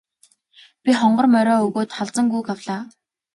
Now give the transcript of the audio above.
Би хонгор морио өгөөд халзан гүүг авлаа.